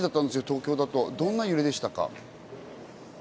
そちらはどんな揺れでしたか？